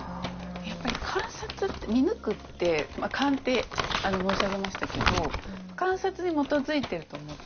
やっぱり観察って見抜くって勘って申し上げましたけど観察に基づいていると思って。